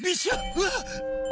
うわっ！